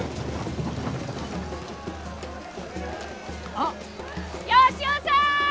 あっ吉雄さん！